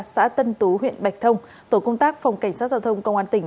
xã tân tú huyện bạch thông tổ công tác phòng cảnh sát giao thông công an tỉnh